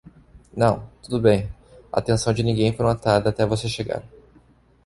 Não, tudo bem, a atenção de ninguém foi notada até você chegar.